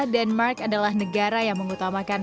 denmark adalah negara yang mengutamakan